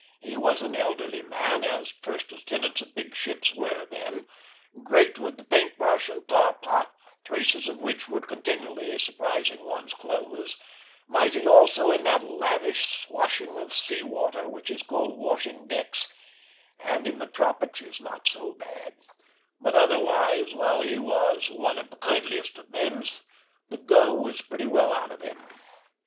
He was an elderly man, as first lieutenants of big ships were then, great with the paint brush and tar pot, traces of which were continually surprising one's clothes; mighty also in that lavish swashing of sea water which is called washing decks, and in the tropics is not so bad; but otherwise, while he was one of the kindliest of men, the go was pretty well out of him.